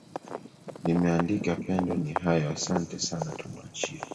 limeandika pendo ni hayo asante sana tumwachie